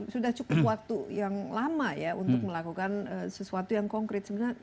sudah cukup waktu yang lama ya untuk melakukan sesuatu yang konkret sebenarnya